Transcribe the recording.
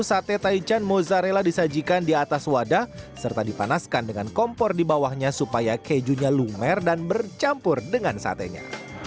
sate taichan mozzarella disajikan di atas wadah serta dipanaskan dengan kompor di bawahnya supaya kejunya lumer dan bercampur dengan satenya